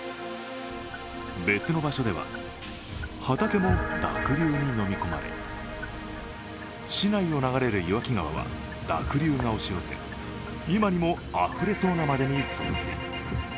別の場所では、畑も濁流にのみ込まれ市内を流れる岩木川は、濁流が押し寄せ、今にもあふれそうなまでに増水。